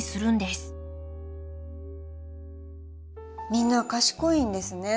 みんな賢いんですね。